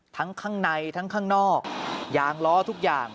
ข้างในทั้งข้างนอกยางล้อทุกอย่าง